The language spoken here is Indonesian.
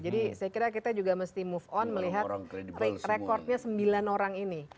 jadi saya kira kita juga mesti move on melihat recordnya sembilan orang ini